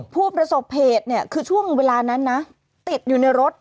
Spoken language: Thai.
ผู้ประสบเหตุเนี่ยคือช่วงเวลานั้นนะติดอยู่ในรถ